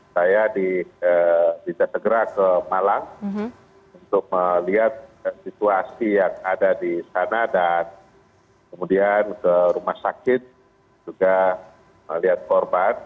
saya bisa segera ke malang untuk melihat situasi yang ada di sana dan kemudian ke rumah sakit juga melihat korban